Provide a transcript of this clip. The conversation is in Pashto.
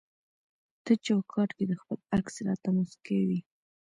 ته چوکاټ کي د خپل عکس راته مسکی وي